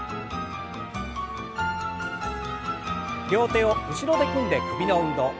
両手を後ろで組んで首の運動。